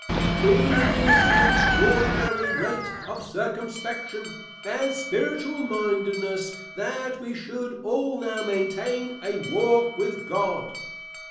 It is at an extraordinary rate of Circumspection and Spiritual mindedness, that we should all now maintain a walk with God.